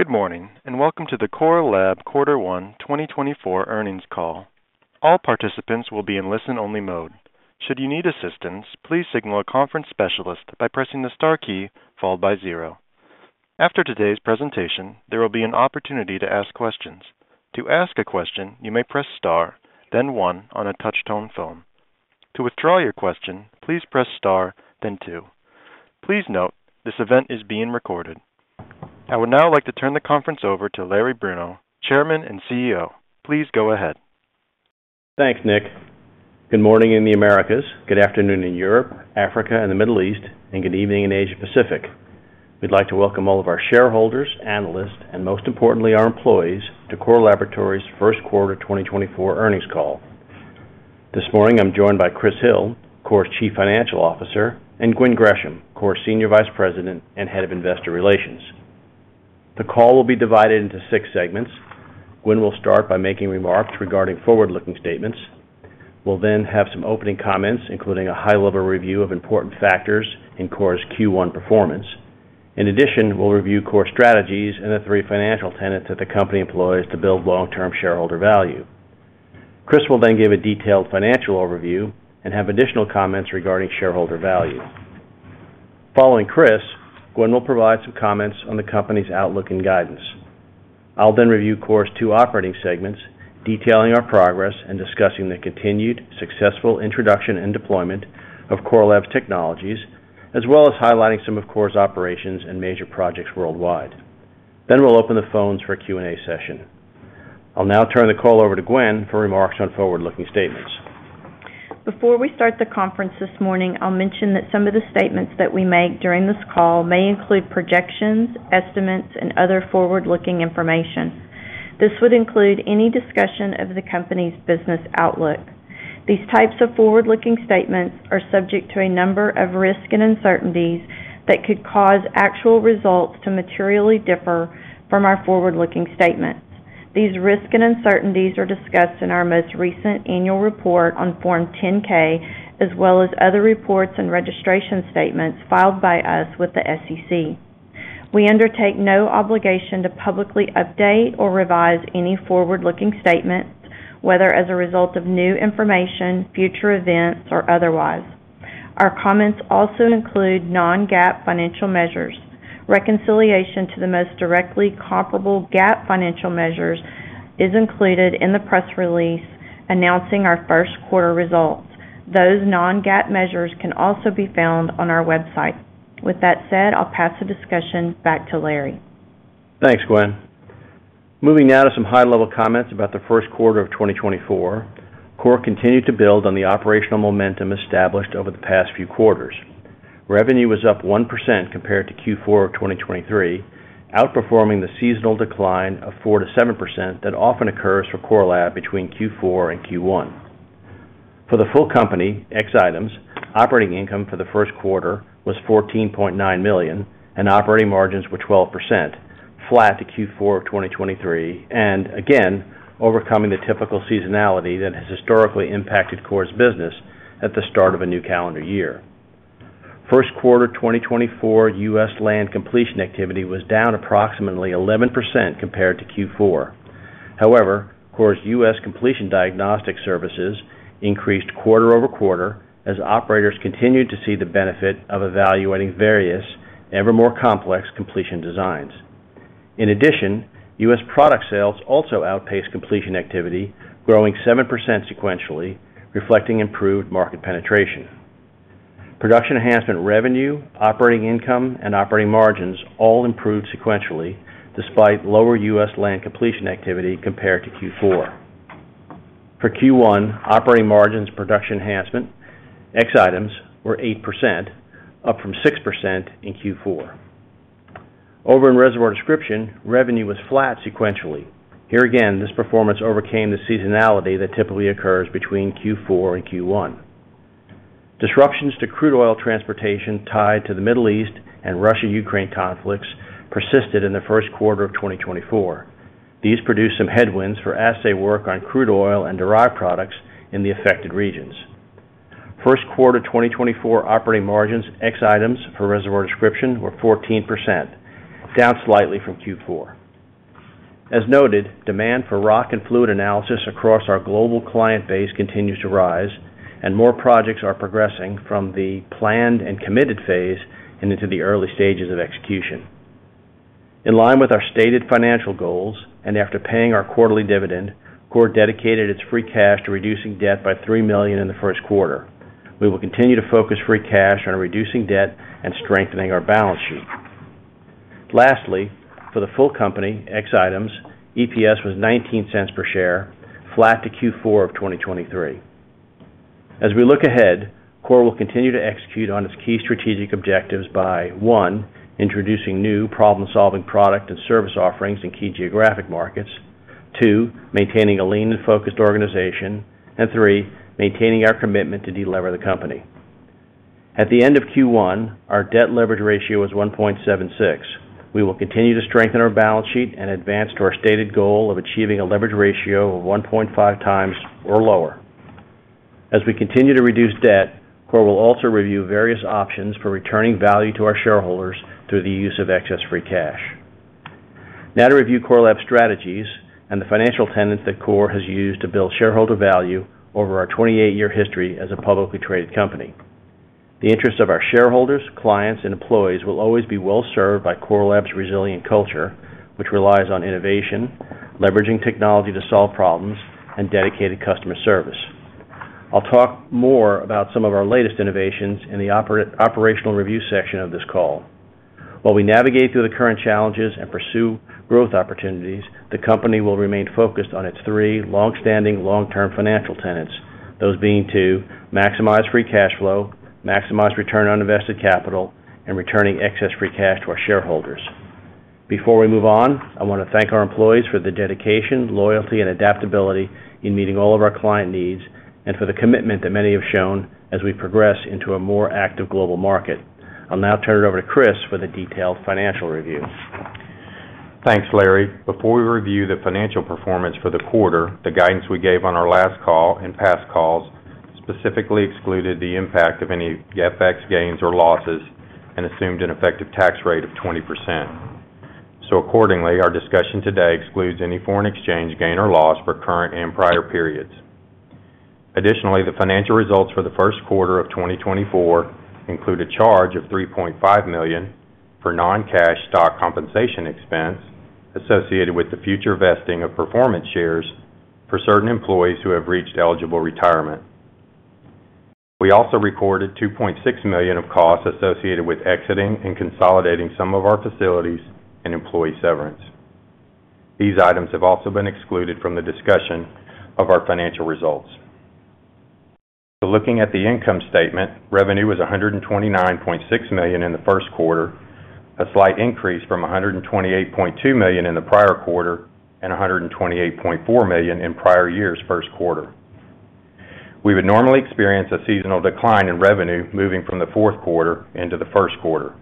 Good morning and welcome to the Core Lab Quarter One 2024 earnings call. All participants will be in listen-only mode. Should you need assistance, please signal a conference specialist by pressing the star key followed by zero. After today's presentation, there will be an opportunity to ask questions. "To ask a question, you may press star, then one" on a touch-tone phone. To withdraw your question, "please press star, then two". Please note, this event is being recorded. I would now like to turn the conference over to Larry Bruno, Chairman and CEO. Please go ahead. Thanks, Nick. Good morning in the Americas, good afternoon in Europe, Africa, and the Middle East, and good evening in Asia-Pacific. We'd like to welcome all of our shareholders, analysts, and most importantly, our employees to Core Laboratories' first quarter 2024 earnings call. This morning, I'm joined by Chris Hill, Core's Chief Financial Officer, and Gwen Gresham, Core's Senior Vice President and Head of Investor Relations. The call will be divided into six segments. Gwen will start by making remarks regarding forward-looking statements. We'll then have some opening comments, including a high-level review of important factors in Core's Q1 performance. In addition, we'll review Core strategies and the three financial tenets that the company employs to build long-term shareholder value. Chris will then give a detailed financial overview and have additional comments regarding shareholder value. Following Chris, Gwen will provide some comments on the company's outlook and guidance. I'll then review Core's two operating segments, detailing our progress and discussing the continued, successful introduction and deployment of Core Labs Technologies, as well as highlighting some of Core's operations and major projects worldwide. Then we'll open the phones for a Q&A session. I'll now turn the call over to Gwen for remarks on forward-looking statements. Before we start the conference this morning, I'll mention that some of the statements that we make during this call may include projections, estimates, and other forward-looking information. This would include any discussion of the company's business outlook. These types of forward-looking statements are subject to a number of risk and uncertainties that could cause actual results to materially differ from our forward-looking statements. These risk and uncertainties are discussed in our most recent annual report on Form 10-K, as well as other reports and registration statements filed by us with the SEC. We undertake no obligation to publicly update or revise any forward-looking statements, whether as a result of new information, future events, or otherwise. Our comments also include non-GAAP financial measures. Reconciliation to the most directly comparable GAAP financial measures is included in the press release announcing our first quarter results. Those non-GAAP measures can also be found on our website. With that said, I'll pass the discussion back to Larry. Thanks, Gwen. Moving now to some high-level comments about the first quarter of 2024. Core continued to build on the operational momentum established over the past few quarters. Revenue was up 1% compared to Q4 of 2023, outperforming the seasonal decline of 4%-7% that often occurs for Core Lab between Q4 and Q1. For the full company, ex items, operating income for the first quarter was $14.9 million, and operating margins were 12%, flat to Q4 of 2023, and again, overcoming the typical seasonality that has historically impacted Core's business at the start of a new calendar year. First quarter 2024 U.S. land completion activity was down approximately 11% compared to Q4. However, Core's U.S. completion diagnostic services increased quarter-over-quarter as operators continued to see the benefit of evaluating various, ever more complex completion designs. In addition, U.S. product sales also outpaced completion activity, growing 7% sequentially, reflecting improved market penetration. Production Enhancement revenue, operating income, and operating margins all improved sequentially despite lower U.S. land completion activity compared to Q4. For Q1, operating margins, Production Enhancement ex-items, were 8%, up from 6% in Q4. Over in Reservoir Description, revenue was flat sequentially. Here again, this performance overcame the seasonality that typically occurs between Q4 and Q1. Disruptions to crude oil transportation tied to the Middle East and Russia-Ukraine conflicts persisted in the first quarter of 2024. These produced some headwinds for assay work on crude oil and derived products in the affected regions. First quarter 2024 operating margins, ex-items, for Reservoir Description were 14%, down slightly from Q4. As noted, demand for rock and fluid analysis across our global client base continues to rise, and more projects are progressing from the planned and committed phase and into the early stages of execution. In line with our stated financial goals and after paying our quarterly dividend, Core dedicated its free cash to reducing debt by $3 million in the first quarter. We will continue to focus free cash on reducing debt and strengthening our balance sheet. Lastly, for the full company, ex items, EPS was $0.19, flat to Q4 of 2023. As we look ahead, Core will continue to execute on its key strategic objectives by, one, introducing new problem-solving product and service offerings in key geographic markets; two, maintaining a lean and focused organization; and three, maintaining our commitment to delever the company. At the end of Q1, our debt-leverage ratio was 1.76. We will continue to strengthen our balance sheet and advance to our stated goal of achieving a leverage ratio of 1.5x or lower. As we continue to reduce debt, Core will also review various options for returning value to our shareholders through the use of excess free cash. Now to review Core Lab strategies and the financial tenets that Core has used to build shareholder value over our 28-year history as a publicly traded company. The interests of our shareholders, clients, and employees will always be well-served by Core Lab's resilient culture, which relies on innovation, leveraging technology to solve problems, and dedicated customer service. I'll talk more about some of our latest innovations in the operational review section of this call. While we navigate through the current challenges and pursue growth opportunities, the company will remain focused on its three longstanding long-term financial tenets, those being to maximize free cash flow, maximize return on invested capital, and returning excess free cash to our shareholders. Before we move on, I want to thank our employees for the dedication, loyalty, and adaptability in meeting all of our client needs and for the commitment that many have shown as we progress into a more active global market. I'll now turn it over to Chris for the detailed financial review. Thanks, Larry. Before we review the financial performance for the quarter, the guidance we gave on our last call and past calls specifically excluded the impact of any FX gains or losses and assumed an effective tax rate of 20%. So accordingly, our discussion today excludes any foreign exchange gain or loss for current and prior periods. Additionally, the financial results for the first quarter of 2024 include a charge of $3.5 million for non-cash stock compensation expense associated with the future vesting of performance shares for certain employees who have reached eligible retirement. We also recorded $2.6 million of costs associated with exiting and consolidating some of our facilities and employee severance. These items have also been excluded from the discussion of our financial results. So looking at the income statement, revenue was $129.6 million in the first quarter, a slight increase from $128.2 million in the prior quarter and $128.4 million in prior year's first quarter. We would normally experience a seasonal decline in revenue moving from the fourth quarter into the first quarter.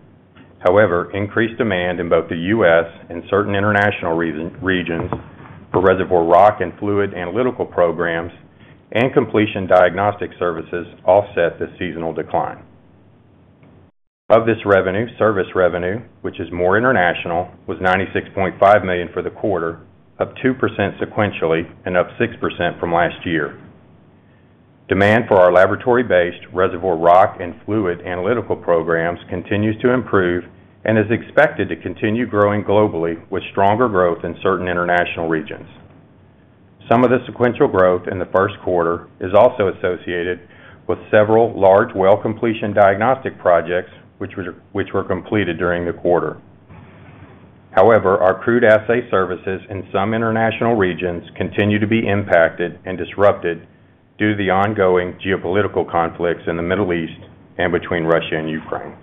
However, increased demand in both the U.S. and certain international regions for reservoir rock and fluid analytical programs and completion diagnostic services offset the seasonal decline. Of this revenue, service revenue, which is more international, was $96.5 million for the quarter, up 2% sequentially and up 6% from last year. Demand for our laboratory-based reservoir rock and fluid analytical programs continues to improve and is expected to continue growing globally with stronger growth in certain international regions. Some of the sequential growth in the first quarter is also associated with several large well-completion diagnostic projects which were completed during the quarter. However, our crude assay services in some international regions continue to be impacted and disrupted due to the ongoing geopolitical conflicts in the Middle East and between Russia and Ukraine.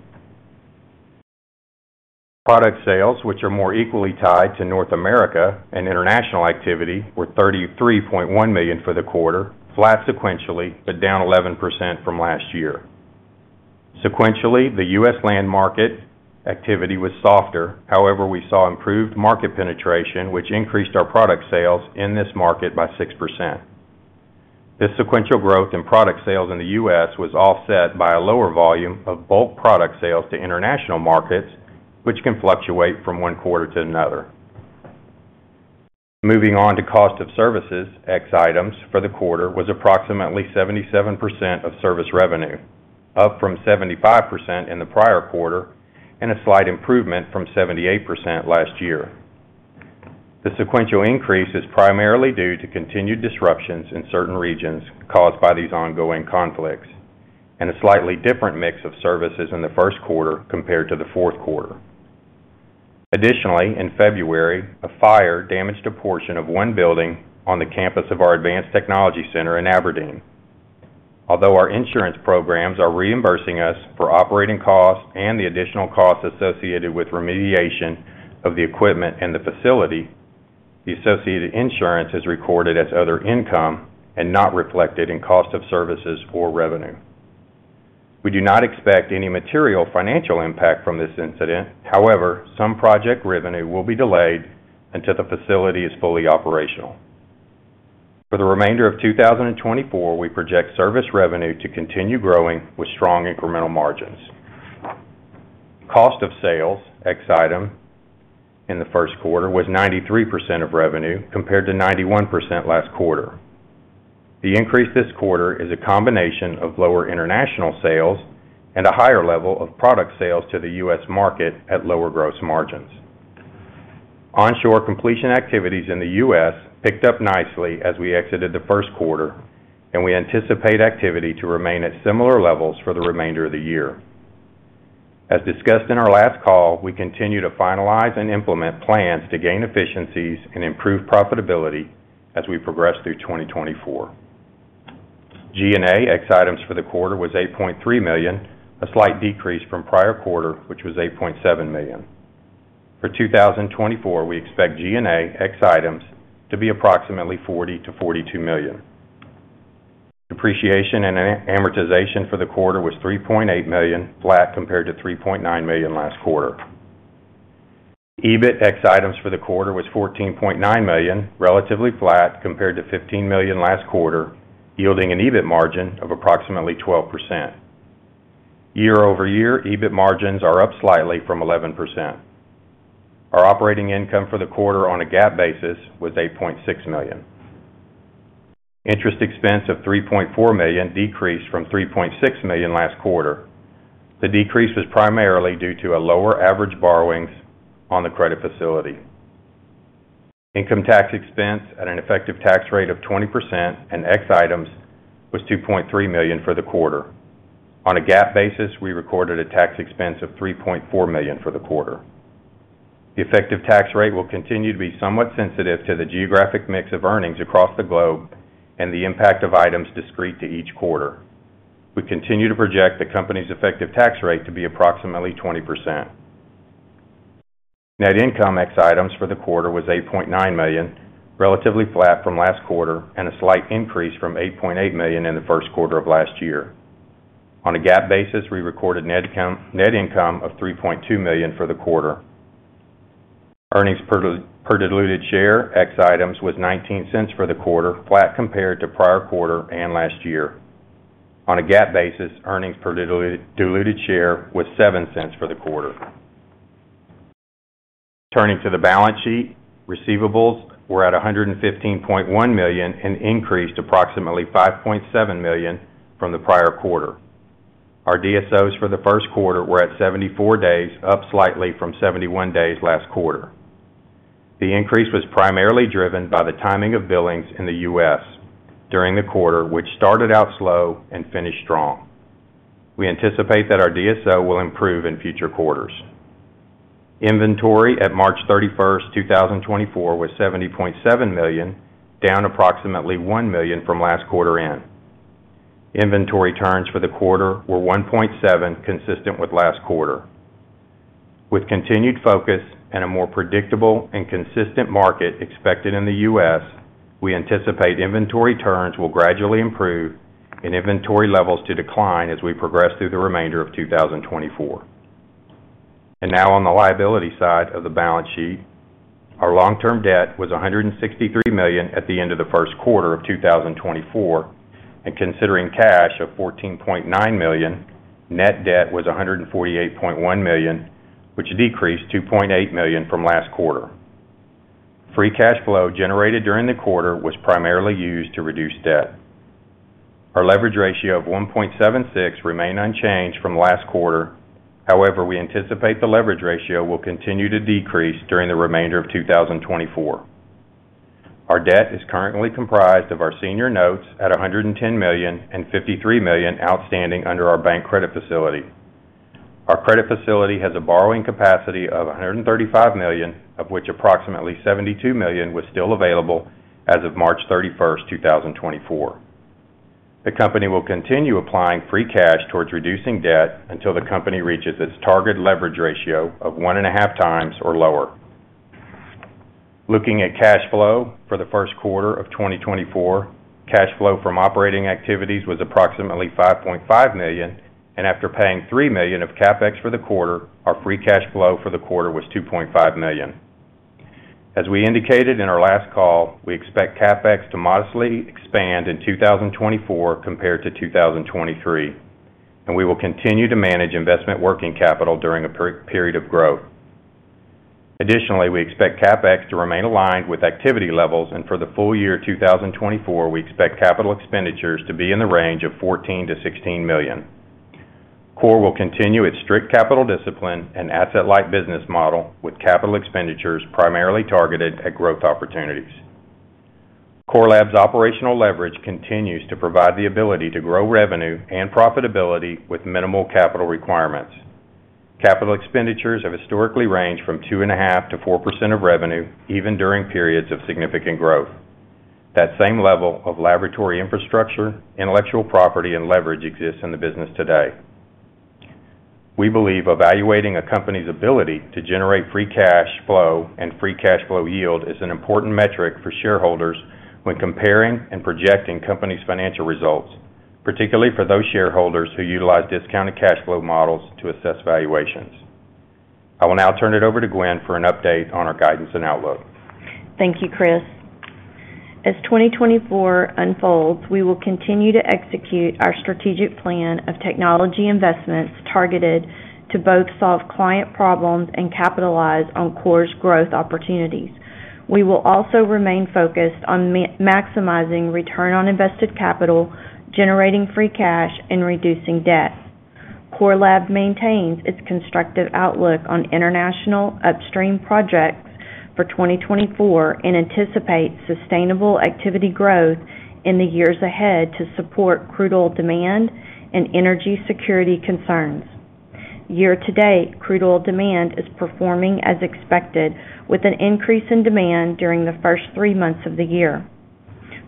Product sales, which are more equally tied to North America and international activity, were $33.1 million for the quarter, flat sequentially but down 11% from last year. Sequentially, the U.S. land market activity was softer. However, we saw improved market penetration, which increased our product sales in this market by 6%. This sequential growth in product sales in the U.S. was offset by a lower volume of bulk product sales to international markets, which can fluctuate from one quarter to another. Moving on to cost of services, ex-items for the quarter was approximately 77% of service revenue, up from 75% in the prior quarter and a slight improvement from 78% last year. The sequential increase is primarily due to continued disruptions in certain regions caused by these ongoing conflicts and a slightly different mix of services in the first quarter compared to the fourth quarter. Additionally, in February, a fire damaged a portion of one building on the campus of our Advanced Technology Center in Aberdeen. Although our insurance programs are reimbursing us for operating costs and the additional costs associated with remediation of the equipment and the facility, the associated insurance is recorded as other income and not reflected in cost of services or revenue. We do not expect any material financial impact from this incident. However, some project revenue will be delayed until the facility is fully operational. For the remainder of 2024, we project service revenue to continue growing with strong incremental margins. Cost of sales, ex item, in the first quarter was 93% of revenue compared to 91% last quarter. The increase this quarter is a combination of lower international sales and a higher level of product sales to the U.S. market at lower gross margins. Onshore completion activities in the U.S. picked up nicely as we exited the first quarter, and we anticipate activity to remain at similar levels for the remainder of the year. As discussed in our last call, we continue to finalize and implement plans to gain efficiencies and improve profitability as we progress through 2024. G&A, ex items for the quarter was $8.3 million, a slight decrease from prior quarter, which was $8.7 million. For 2024, we expect G&A, ex items, to be approximately $40 million-$42 million. Depreciation and amortization for the quarter was $3.8 million, flat compared to $3.9 million last quarter. EBIT, ex items for the quarter was $14.9 million, relatively flat compared to $15 million last quarter, yielding an EBIT margin of approximately 12%. Year-over-year, EBIT margins are up slightly from 11%. Our operating income for the quarter on a GAAP basis was $8.6 million. Interest expense of $3.4 million decreased from $3.6 million last quarter. The decrease was primarily due to a lower average borrowings on the credit facility. Income tax expense at an effective tax rate of 20%, and ex items, was $2.3 million for the quarter. On a GAAP basis, we recorded a tax expense of $3.4 million for the quarter. The effective tax rate will continue to be somewhat sensitive to the geographic mix of earnings across the globe and the impact of items discrete to each quarter. We continue to project the company's effective tax rate to be approximately 20%. Net income, ex items for the quarter was $8.9 million, relatively flat from last quarter and a slight increase from $8.8 million in the first quarter of last year. On a GAAP basis, we recorded net income of $3.2 million for the quarter. Earnings per diluted share, ex items, was $0.19 for the quarter, flat compared to prior quarter and last year. On a GAAP basis, earnings per diluted share was $0.07 for the quarter. Turning to the balance sheet, receivables were at $115.1 million and increased approximately $5.7 million from the prior quarter. Our DSOs for the first quarter were at 74 days, up slightly from 71 days last quarter. The increase was primarily driven by the timing of billings in the U.S. during the quarter, which started out slow and finished strong. We anticipate that our DSO will improve in future quarters. Inventory at March 31st, 2024, was $70.7 million, down approximately $1 million from last quarter end. Inventory turns for the quarter were 1.7, consistent with last quarter. With continued focus and a more predictable and consistent market expected in the U.S., we anticipate inventory turns will gradually improve and inventory levels to decline as we progress through the remainder of 2024. Now on the liability side of the balance sheet, our long-term debt was $163 million at the end of the first quarter of 2024, and considering cash of $14.9 million, net debt was $148.1 million, which decreased $2.8 million from last quarter. Free cash flow generated during the quarter was primarily used to reduce debt. Our leverage ratio of 1.76 remained unchanged from last quarter. However, we anticipate the leverage ratio will continue to decrease during the remainder of 2024. Our debt is currently comprised of our senior notes at $110 million and $53 million outstanding under our bank credit facility. Our credit facility has a borrowing capacity of $135 million, of which approximately $72 million was still available as of March 31st, 2024. The company will continue applying free cash towards reducing debt until the company reaches its target leverage ratio of 1.5x or lower. Looking at cash flow for the first quarter of 2024, cash flow from operating activities was approximately $5.5 million, and after paying $3 million of CapEx for the quarter, our free cash flow for the quarter was $2.5 million. As we indicated in our last call, we expect CapEx to modestly expand in 2024 compared to 2023, and we will continue to manage investment working capital during a period of growth. Additionally, we expect CapEx to remain aligned with activity levels, and for the full year 2024, we expect capital expenditures to be in the range of $14 million-$16 million. Core will continue its strict capital discipline and asset-like business model with capital expenditures primarily targeted at growth opportunities. Core Lab's operational leverage continues to provide the ability to grow revenue and profitability with minimal capital requirements. Capital expenditures have historically ranged from 2.5%-4% of revenue, even during periods of significant growth. That same level of laboratory infrastructure, intellectual property, and leverage exists in the business today. We believe evaluating a company's ability to generate free cash flow and free cash flow yield is an important metric for shareholders when comparing and projecting company's financial results, particularly for those shareholders who utilize discounted cash flow models to assess valuations. I will now turn it over to Gwen for an update on our guidance and outlook. Thank you, Chris. As 2024 unfolds, we will continue to execute our strategic plan of technology investments targeted to both solve client problems and capitalize on Core's growth opportunities. We will also remain focused on maximizing return on invested capital, generating free cash, and reducing debt. Core Lab maintains its constructive outlook on international upstream projects for 2024 and anticipates sustainable activity growth in the years ahead to support crude oil demand and energy security concerns. Year to date, crude oil demand is performing as expected, with an increase in demand during the first three months of the year.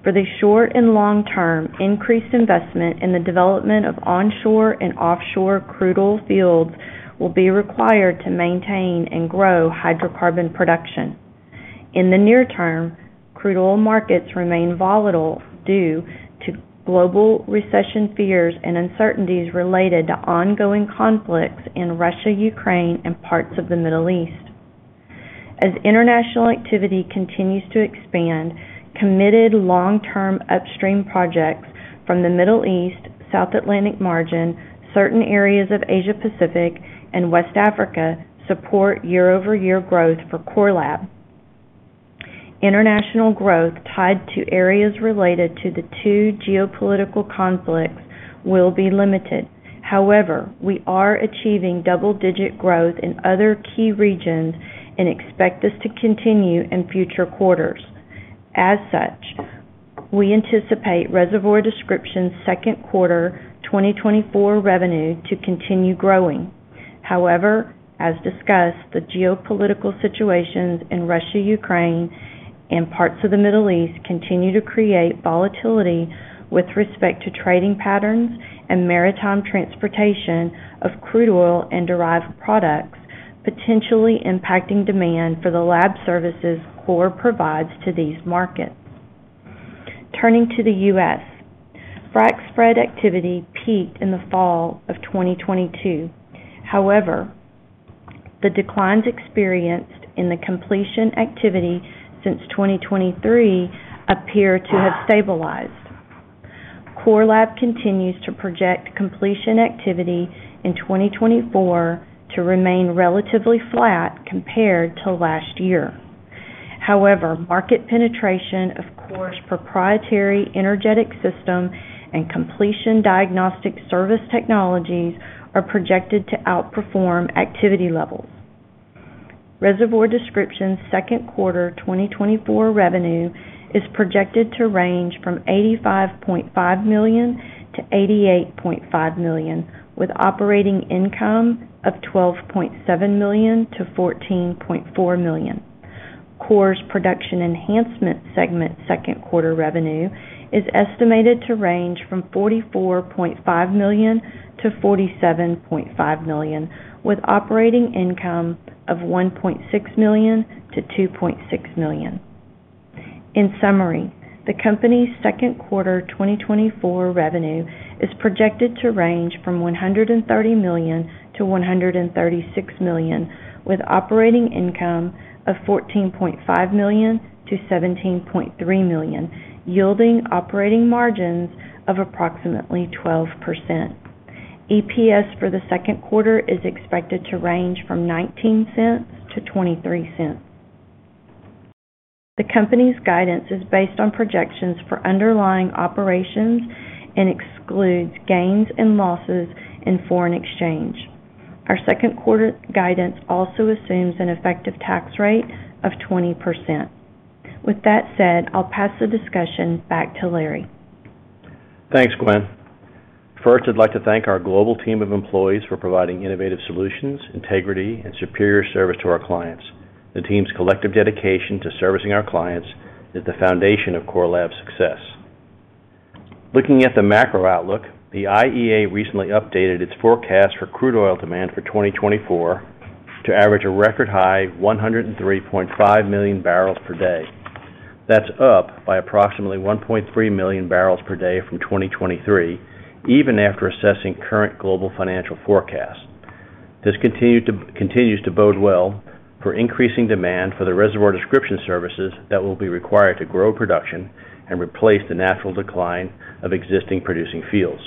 For the short and long-term, increased investment in the development of onshore and offshore crude oil fields will be required to maintain and grow hydrocarbon production. In the near term, crude oil markets remain volatile due to global recession fears and uncertainties related to ongoing conflicts in Russia, Ukraine, and parts of the Middle East. As international activity continues to expand, committed long-term upstream projects from the Middle East, South Atlantic margin, certain areas of Asia-Pacific, and West Africa support year-over-year growth for Core Lab. International growth tied to areas related to the two geopolitical conflicts will be limited. However, we are achieving double-digit growth in other key regions and expect this to continue in future quarters. As such, we anticipate Reservoir Description second quarter 2024 revenue to continue growing. However, as discussed, the geopolitical situations in Russia, Ukraine, and parts of the Middle East continue to create volatility with respect to trading patterns and maritime transportation of crude oil and derived products, potentially impacting demand for the lab services Core provides to these markets. Turning to the U.S., frac spread activity peaked in the fall of 2022. However, the declines experienced in the completion activity since 2023 appear to have stabilized. Core Lab continues to project completion activity in 2024 to remain relatively flat compared to last year. However, market penetration of Core's proprietary energetic system and completion diagnostic service technologies are projected to outperform activity levels. Reservoir Description second quarter 2024 revenue is projected to range from $85.5 million-$88.5 million, with operating income of $12.7 million-$14.4 million. Core's Production Enhancement segment second quarter revenue is estimated to range from $44.5 million-$47.5 million, with operating income of $1.6 million-$2.6 million. In summary, the company's second quarter 2024 revenue is projected to range from $130 million-$136 million, with operating income of $14.5 million-$17.3 million, yielding operating margins of approximately 12%. EPS for the second quarter is expected to range from $0.19-$0.23. The company's guidance is based on projections for underlying operations and excludes gains and losses in foreign exchange. Our second quarter guidance also assumes an effective tax rate of 20%. With that said, I'll pass the discussion back to Larry. Thanks, Gwen. First, I'd like to thank our global team of employees for providing innovative solutions, integrity, and superior service to our clients. The team's collective dedication to servicing our clients is the foundation of Core Lab's success. Looking at the macro outlook, the IEA recently updated its forecast for crude oil demand for 2024 to average a record high 103.5 million barrels per day. That's up by approximately 1.3 million barrels per day from 2023, even after assessing current global financial forecasts. This continues to bode well for increasing demand for the reservoir description services that will be required to grow production and replace the natural decline of existing producing fields.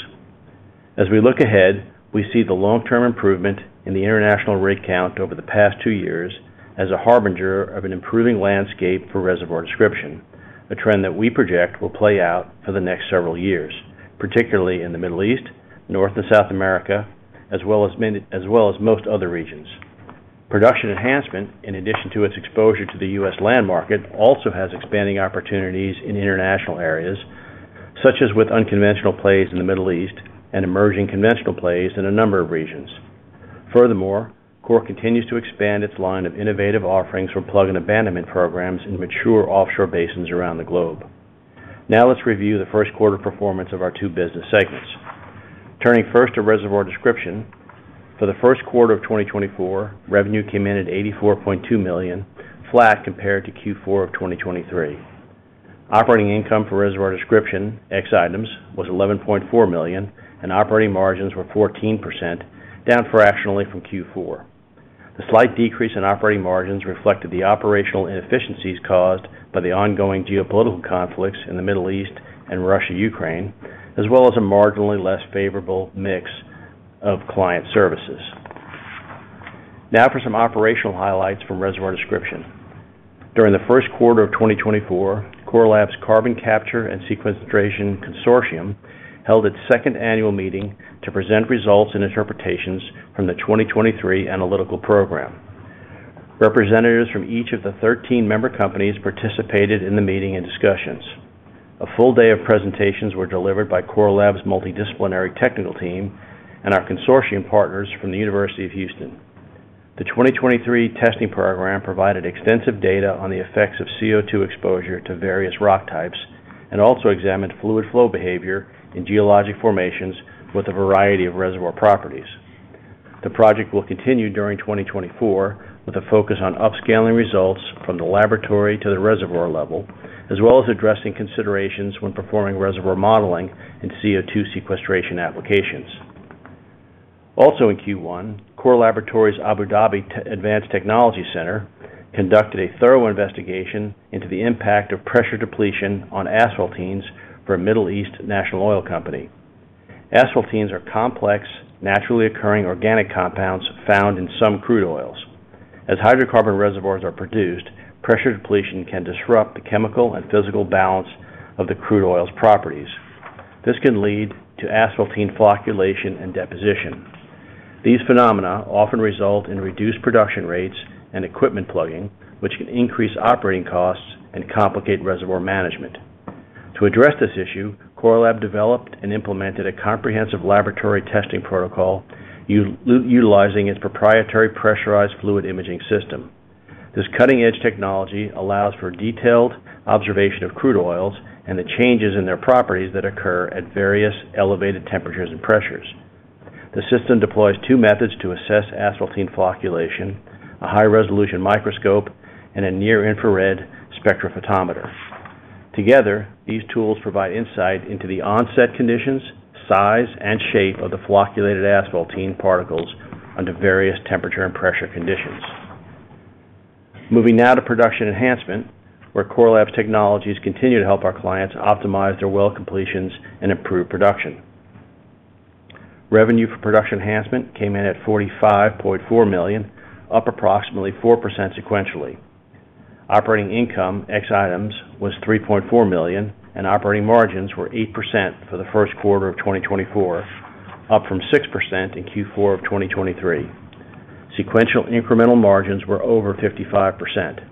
As we look ahead, we see the long-term improvement in the international rig count over the past two years as a harbinger of an improving landscape for Reservoir Description, a trend that we project will play out for the next several years, particularly in the Middle East, North and South America, as well as most other regions. Production Enhancement, in addition to its exposure to the U.S. land market, also has expanding opportunities in international areas, such as with unconventional plays in the Middle East and emerging conventional plays in a number of regions. Furthermore, Core continues to expand its line of innovative offerings from plug-and-abandonment programs in mature offshore basins around the globe. Now let's review the first quarter performance of our two business segments. Turning first to Reservoir Description, for the first quarter of 2024, revenue came in at $84.2 million, flat compared to Q4 of 2023. Operating income for Reservoir Description, ex items, was $11.4 million, and operating margins were 14%, down fractionally from Q4. The slight decrease in operating margins reflected the operational inefficiencies caused by the ongoing geopolitical conflicts in the Middle East and Russia, Ukraine, as well as a marginally less favorable mix of client services. Now for some operational highlights from Reservoir Description. During the first quarter of 2024, Core Lab's Carbon Capture and Sequencing Consortium held its second annual meeting to present results and interpretations from the 2023 analytical program. Representatives from each of the 13 member companies participated in the meeting and discussions. A full day of presentations were delivered by Core Lab's multidisciplinary technical team and our consortium partners from the University of Houston. The 2023 testing program provided extensive data on the effects of CO2 exposure to various rock types and also examined fluid flow behavior in geologic formations with a variety of reservoir properties. The project will continue during 2024 with a focus on upscaling results from the laboratory to the reservoir level, as well as addressing considerations when performing reservoir modeling and CO2 sequestration applications. Also in Q1, Core Laboratories Abu Dhabi Advanced Technology Center conducted a thorough investigation into the impact of pressure depletion on asphaltenes for a Middle East national oil company. Asphaltenes are complex, naturally occurring organic compounds found in some crude oils. As hydrocarbon reservoirs are produced, pressure depletion can disrupt the chemical and physical balance of the crude oil's properties. This can lead to asphaltene flocculation and deposition. These phenomena often result in reduced production rates and equipment plugging, which can increase operating costs and complicate reservoir management. To address this issue, Core Lab developed and implemented a comprehensive laboratory testing protocol utilizing its proprietary pressurized fluid imaging system. This cutting-edge technology allows for detailed observation of crude oils and the changes in their properties that occur at various elevated temperatures and pressures. The system deploys two methods to assess asphaltene flocculation: a high-resolution microscope and a near-infrared spectrophotometer. Together, these tools provide insight into the onset conditions, size, and shape of the flocculated asphaltene particles under various temperature and pressure conditions. Moving now to Production Enhancement, where Core Lab's technologies continue to help our clients optimize their well completions and improve production. Revenue for Production Enhancement came in at $45.4 million, up approximately 4% sequentially. Operating income, ex items, was $3.4 million, and operating margins were 8% for the first quarter of 2024, up from 6% in Q4 of 2023. Sequential incremental margins were over 55%.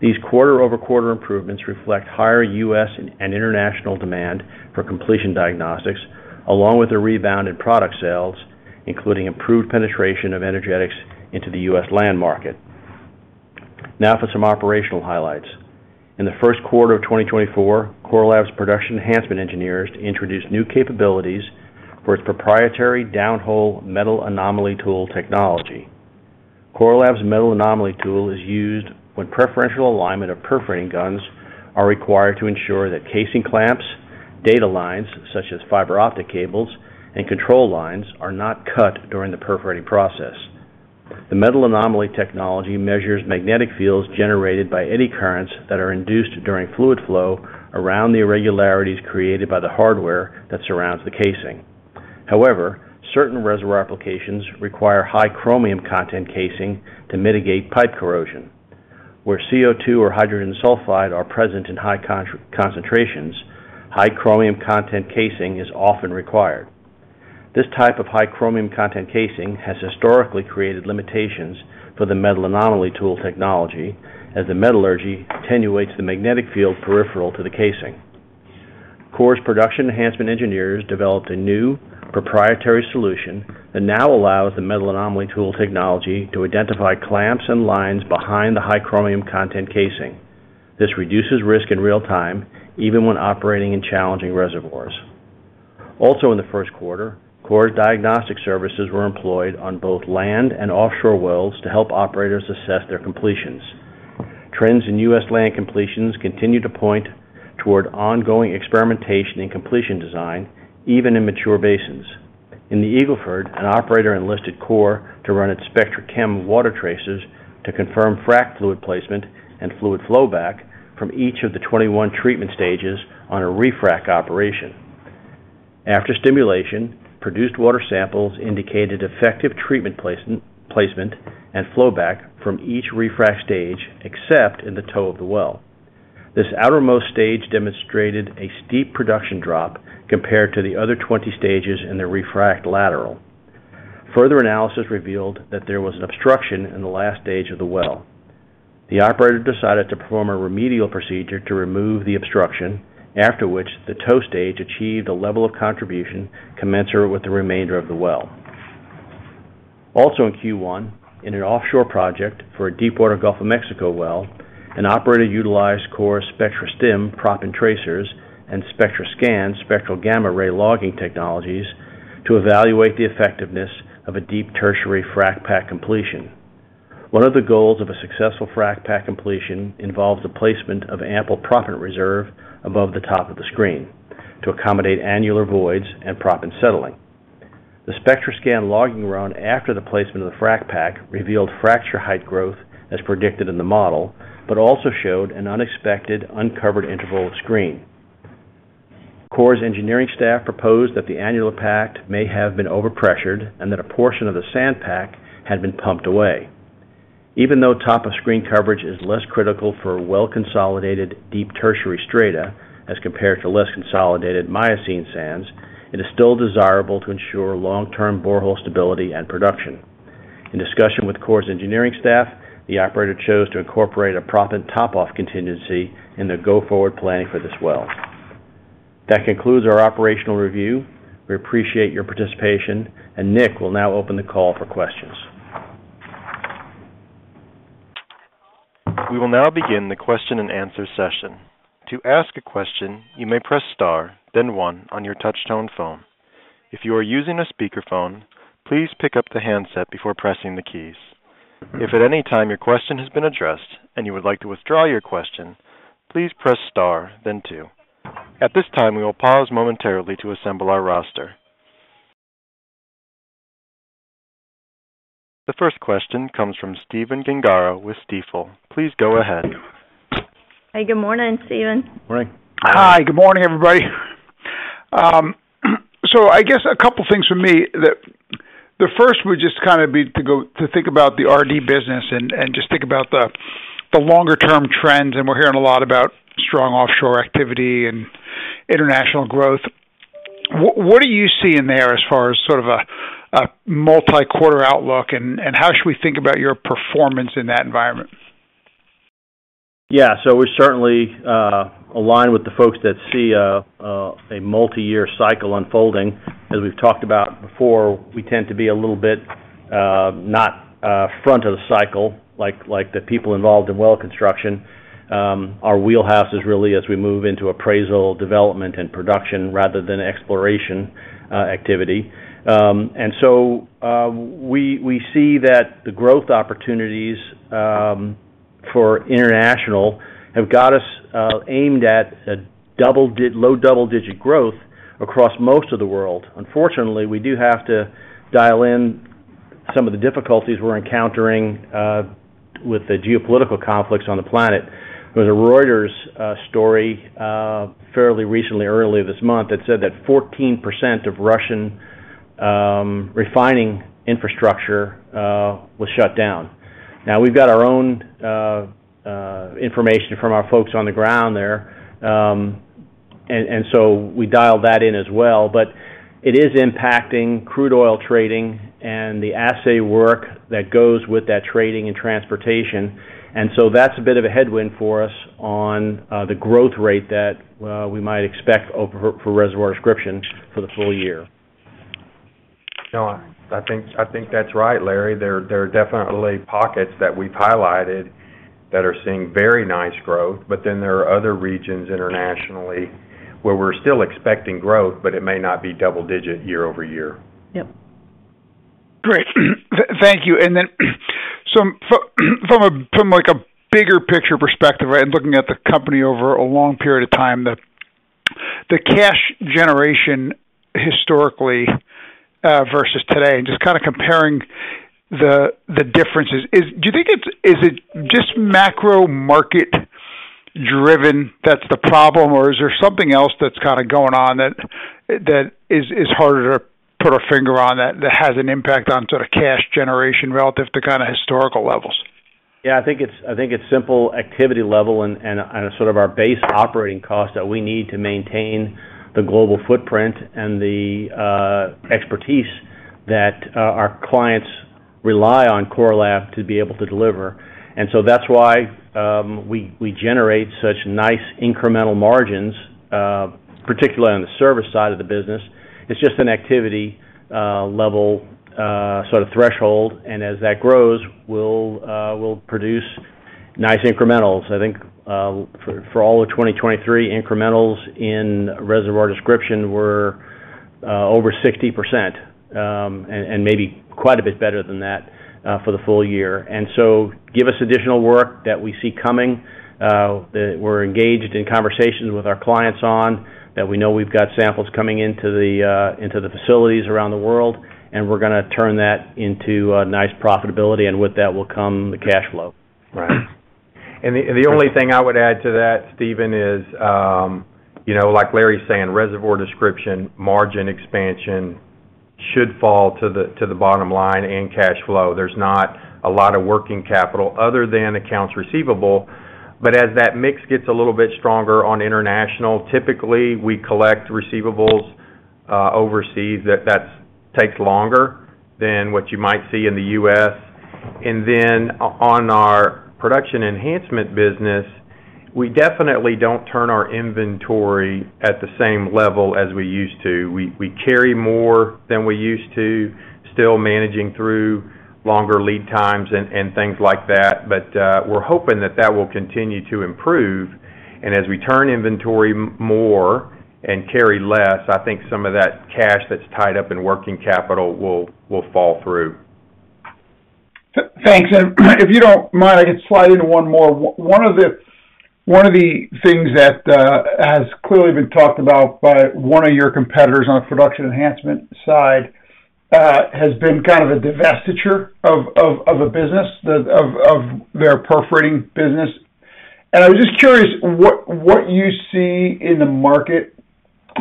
These quarter-over-quarter improvements reflect higher U.S. and international demand for completion diagnostics, along with a rebound in product sales, including improved penetration of energetics into the U.S. land market. Now for some operational highlights. In the first quarter of 2024, Core Lab's production enhancement engineers introduced new capabilities for its proprietary downhole metal anomaly tool technology. Core Lab's metal anomaly tool is used when preferential alignment of perforating guns are required to ensure that casing clamps, data lines such as fiber optic cables, and control lines are not cut during the perforating process. The Metal Anomaly Tool measures magnetic fields generated by eddy currents that are induced during fluid flow around the irregularities created by the hardware that surrounds the casing. However, certain reservoir applications require high chromium content casing to mitigate pipe corrosion. Where CO2 or hydrogen sulfide are present in high concentrations, high chromium content casing is often required. This type of high chromium content casing has historically created limitations for the Metal Anomaly Tool technology, as the metallurgy attenuates the magnetic field peripheral to the casing. Core's Production Enhancement engineers developed a new proprietary solution that now allows the Metal Anomaly Tool technology to identify clamps and lines behind the high chromium content casing. This reduces risk in real time, even when operating in challenging reservoirs. Also in the first quarter, Core's diagnostic services were employed on both land and offshore wells to help operators assess their completions. Trends in U.S. land completions continue to point toward ongoing experimentation in completion design, even in mature basins. In the Eagle Ford, an operator enlisted Core to run its SpectraChem water tracers to confirm frac fluid placement and fluid flowback from each of the 21 treatment stages on a refrac operation. After stimulation, produced water samples indicated effective treatment placement and flowback from each refrac stage, except in the toe of the well. This outermost stage demonstrated a steep production drop compared to the other 20 stages in the refrac lateral. Further analysis revealed that there was an obstruction in the last stage of the well. The operator decided to perform a remedial procedure to remove the obstruction, after which the toe stage achieved a level of contribution commensurate with the remainder of the well. Also in Q1, in an offshore project for a deepwater Gulf of Mexico well, an operator utilized Core's SpectraStim proppant tracers and SpectraScan spectral gamma ray logging technologies to evaluate the effectiveness of a deep tertiary frac pack completion. One of the goals of a successful frac pack completion involves the placement of ample proppant reserve above the top of the screen to accommodate annular voids and proppant settling. The SpectraScan logging run after the placement of the frac pack revealed fracture height growth as predicted in the model, but also showed an unexpected uncovered interval of screen. Core's engineering staff proposed that the annular pack may have been overpressured and that a portion of the sand pack had been pumped away. Even though top of screen coverage is less critical for well-consolidated deep Tertiary strata as compared to less consolidated Miocene sands, it is still desirable to ensure long-term borehole stability and production. In discussion with Core's engineering staff, the operator chose to incorporate a proppant top-off contingency in their go-forward planning for this well. That concludes our operational review. We appreciate your participation, and Nick will now open the call for questions. We will now begin the question and answer session. To ask a question, you may "press star, then one", on your touch-tone phone. If you are using a speakerphone, please pick up the handset before pressing the keys. If at any time your question has been addressed and you would like to withdraw your question, "please press star, then two". At this time, we will pause momentarily to assemble our roster. The first question comes from Stephen Gengaro with Stifel. Please go ahead. Hey, good morning, Stephen. Morning. Hi, good morning, everybody. I guess a couple of things from me. The first would just kind of be to think about the R&D business and just think about the longer-term trends. We're hearing a lot about strong offshore activity and international growth. What do you see in there as far as sort of a multi-quarter outlook, and how should we think about your performance in that environment? Yeah. So we're certainly aligned with the folks that see a multi-year cycle unfolding. As we've talked about before, we tend to be a little bit not front of the cycle like the people involved in well construction. Our wheelhouse is really as we move into appraisal, development, and production rather than exploration activity. And so we see that the growth opportunities for international have got us aimed at low double-digit growth across most of the world. Unfortunately, we do have to dial in some of the difficulties we're encountering with the geopolitical conflicts on the planet. There was a Reuters story fairly recently, early this month, that said that 14% of Russian refining infrastructure was shut down. Now, we've got our own information from our folks on the ground there, and so we dialed that in as well. But it is impacting crude oil trading and the assay work that goes with that trading and transportation. And so that's a bit of a headwind for us on the growth rate that we might expect for Reservoir Description for the full year. No, I think that's right, Larry. There are definitely pockets that we've highlighted that are seeing very nice growth, but then there are other regions internationally where we're still expecting growth, but it may not be double-digit year-over-year. Yep. Great. Thank you. And then from a bigger picture perspective, and looking at the company over a long period of time, the cash generation historically versus today, and just kind of comparing the differences, do you think it's just macro-market driven that's the problem, or is there something else that's kind of going on that is harder to put a finger on that has an impact on sort of cash generation relative to kind of historical levels? Yeah. I think it's simple activity level and sort of our base operating cost that we need to maintain the global footprint and the expertise that our clients rely on Core Lab to be able to deliver. And so that's why we generate such nice incremental margins, particularly on the service side of the business. It's just an activity level sort of threshold, and as that grows, we'll produce nice incrementals. I think for all of 2023, incrementals in Reservoir Description were over 60% and maybe quite a bit better than that for the full year. And so give us additional work that we see coming that we're engaged in conversations with our clients on, that we know we've got samples coming into the facilities around the world, and we're going to turn that into nice profitability, and with that will come the cash flow. Right. And the only thing I would add to that, Stephen, is like Larry's saying, Reservoir Description margin expansion should fall to the bottom line and cash flow. There's not a lot of working capital other than accounts receivable. But as that mix gets a little bit stronger on international, typically, we collect receivables overseas. That takes longer than what you might see in the U.S. And then on our Production Enhancement business, we definitely don't turn our inventory at the same level as we used to. We carry more than we used to, still managing through longer lead times and things like that. But we're hoping that that will continue to improve. And as we turn inventory more and carry less, I think some of that cash that's tied up in working capital will fall through. Thanks. And if you don't mind, I could slide into one more. One of the things that has clearly been talked about by one of your competitors on the production enhancement side has been kind of a divestiture of a business, of their perforating business. And I was just curious what you see in the market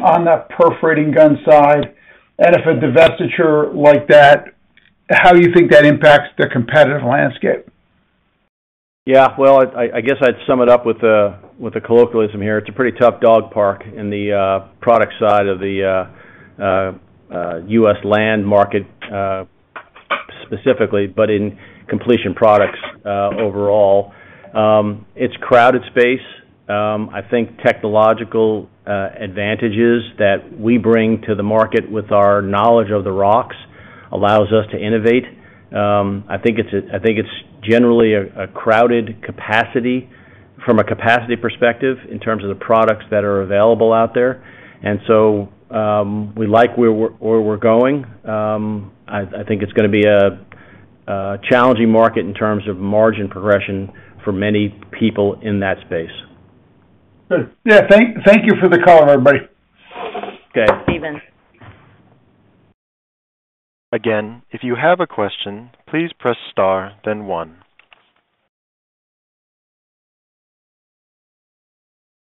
on that perforating gun side, and if a divestiture like that, how you think that impacts the competitive landscape. Yeah. Well, I guess I'd sum it up with a colloquialism here. It's a pretty tough dog park in the product side of the U.S. land market specifically, but in completion products overall. It's crowded space. I think technological advantages that we bring to the market with our knowledge of the rocks allows us to innovate. I think it's generally a crowded capacity from a capacity perspective in terms of the products that are available out there. And so we like where we're going. I think it's going to be a challenging market in terms of margin progression for many people in that space. Good. Yeah. Thank you for the call, everybody. Okay. Steven. Again, if you have a question, "please press star, then one".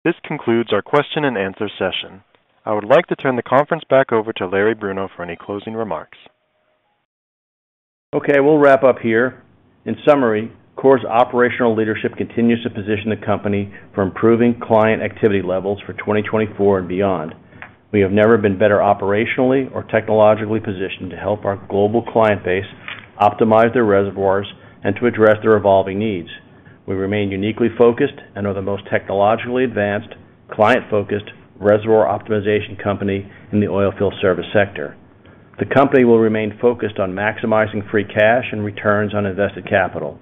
This concludes our question and answer session. I would like to turn the conference back over to Larry Bruno for any closing remarks. Okay. We'll wrap up here. In summary, Core's operational leadership continues to position the company for improving client activity levels for 2024 and beyond. We have never been better operationally or technologically positioned to help our global client base optimize their reservoirs and to address their evolving needs. We remain uniquely focused and are the most technologically advanced, client-focused reservoir optimization company in the oilfield service sector. The company will remain focused on maximizing free cash and returns on invested capital.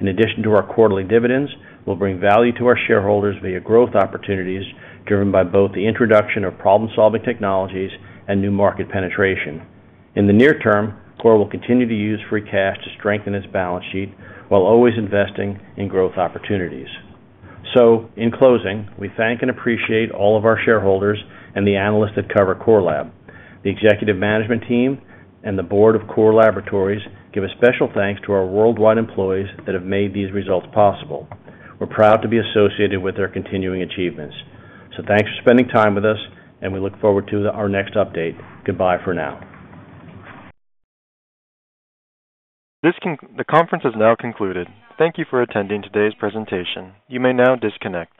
In addition to our quarterly dividends, we'll bring value to our shareholders via growth opportunities driven by both the introduction of problem-solving technologies and new market penetration. In the near term, Core will continue to use free cash to strengthen its balance sheet while always investing in growth opportunities. In closing, we thank and appreciate all of our shareholders and the analysts that cover Core Lab. The executive management team and the board of Core Laboratories give a special thanks to our worldwide employees that have made these results possible. We're proud to be associated with their continuing achievements. So thanks for spending time with us, and we look forward to our next update. Goodbye for now. The conference has now concluded. Thank you for attending today's presentation. You may now disconnect.